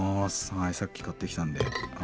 はいさっき買ってきたんで。